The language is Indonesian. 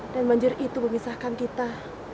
dan banjir itu memisahkan kita